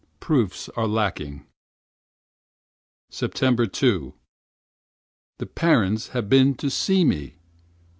Proofs are lacking. 2d September. The parents have been to see me.